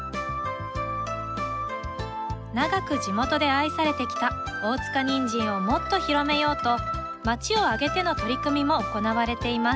長く地元で愛されてきた大塚にんじんをもっと広めようと町を挙げての取り組みも行われています。